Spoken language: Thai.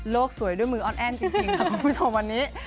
สวยด้วยมืออ้อนแอ้นจริงค่ะคุณผู้ชมวันนี้